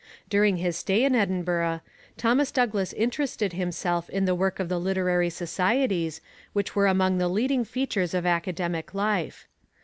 During his stay in Edinburgh, Thomas Douglas interested himself in the work of the literary societies, which were among the leading features of academic life.